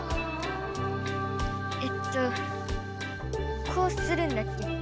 えっとこうするんだっけ？